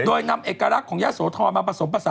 โดยนำเอกลักษณ์ของยะโสธรมาประสบประสาน